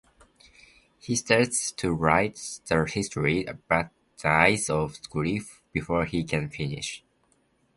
He starts to write the story but dies of grief before he can finish.